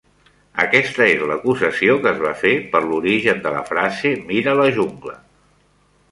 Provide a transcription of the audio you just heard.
Aquesta és l'acusació que es va fer per l'origen de la frase "Mira la jungla!".